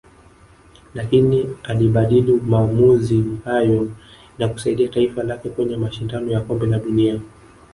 lakini alibadili maamuzi hayo na kusaidia taifa lake kwenye mashindano ya kombe la dunia